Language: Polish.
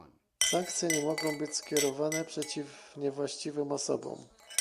Sankcje nie mogą być skierowane przeciw niewłaściwym osobom